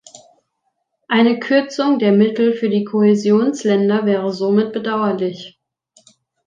Eine Kürzung der Mittel für die Kohäsionsländer wäre somit bedauerlich.